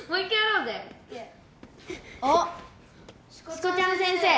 しこちゃん先生！